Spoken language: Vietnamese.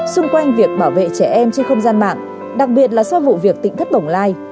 xung quanh việc bảo vệ trẻ em trên không gian mạng đặc biệt là so với vụ việc tịnh thất bổng lai